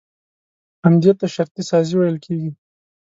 همدې ته شرطي سازي ويل کېږي.